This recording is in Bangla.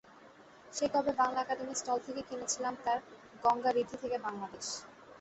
সেই কবে বাংলা একাডেমি স্টল থেকে কিনেছিলাম তাঁর গঙ্গাঋদ্ধি থেকে বাংলাদেশ।